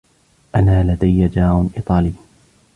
أنا لدي جار إيطالي.